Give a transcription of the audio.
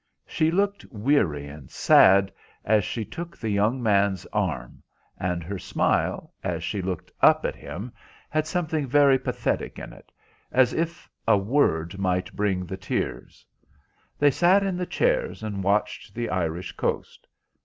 She looked weary and sad as she took the young man's arm, and her smile as she looked up at him had something very pathetic in it, as if a word might bring the tears. They sat in the chairs and watched the Irish coast.